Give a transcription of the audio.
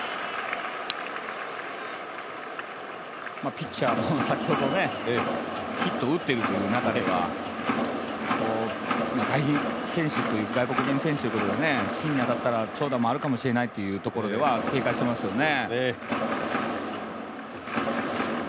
ピッチャー、先ほどヒットを打っているという中では外国人選手ということで芯に当たったら長打もあるかもしれないというところでは警戒していますよね。